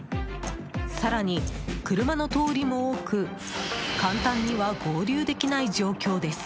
更に、車の通りも多く簡単には合流できない状況です。